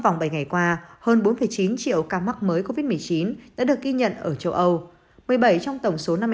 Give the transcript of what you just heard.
vòng bảy ngày qua hơn bốn chín triệu ca mắc mới covid một mươi chín đã được ghi nhận ở châu âu một mươi bảy trong tổng số năm mươi bốn